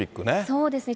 そうですね。